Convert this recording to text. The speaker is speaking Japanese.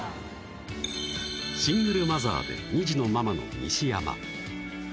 シングルマザーで２児のママの西山